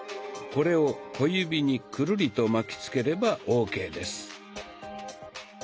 これを小指にくるりと巻きつければＯＫです。